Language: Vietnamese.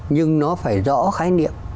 nhưng nó phải rõ khái niệm